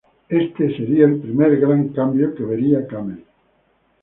Este sería el primer gran cambio que vería Camel.